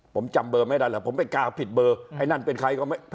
ผมจำเบอร์ไม่ได้แล้วผมไม่กล้าผิดเบอร์ไอ้นั่นเป็นใครก็ไม่